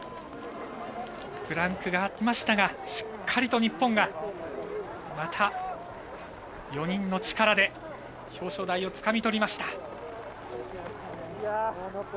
ブランクがありましたがしっかりと日本がまた、４人の力で表彰台をつかみとりました。